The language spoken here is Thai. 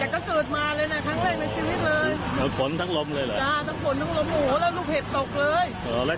ความร่มจมูก